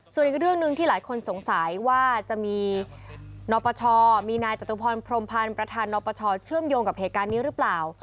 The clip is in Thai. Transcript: ส่วนอีกเรื่องหนึ่งที่หลายคนสงสัยว่าจะมีนปชมีนายจตุพรพรมพันธ์ประธานนปชเชื่อมโยงกับเหตุการณ์นี้หรือเปล่า